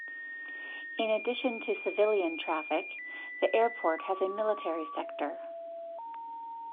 In addition to civilian traffic, the airport has a military sector.